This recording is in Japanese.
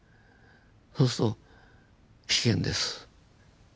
そうすると危険です。